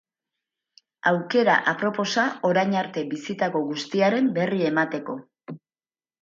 Aukera aproposa orain arte bizitako guztiaren berri emateko.